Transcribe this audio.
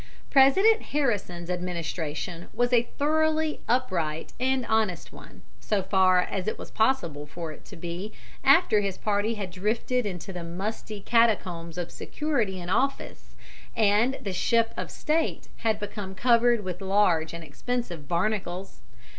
President Harrison's administration was a thoroughly upright and honest one, so far as it was possible for it to be after his party had drifted into the musty catacombs of security in office and the ship of state had become covered with large and expensive barnacles.